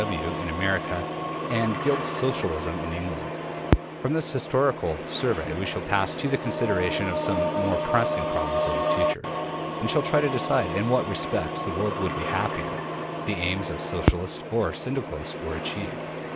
W. W. in America and Guild Socialism in England. From this historical survey we shall pass to the consideration of some of the more pressing problems of the future, and shall try to decide in what respects the world would be happier if the aims of Socialists or Syndicalists were achieved.